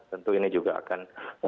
tentu ini juga akan